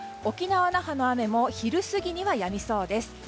沖縄・那覇の雨も昼過ぎにはやみそうです。